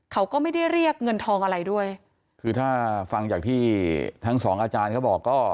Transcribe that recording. เขาก็ไม่ได้เรียกเงินทองอะไรด้วยคือถ้าฟังจากที่ทั้งสองอาจารย์เขาบอกก็